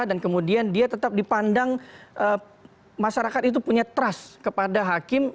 dan kemudian dia tetap dipandang masyarakat itu punya trust kepada hakim